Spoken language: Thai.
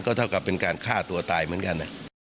เท่ากับเป็นการฆ่าตัวตายเหมือนกัน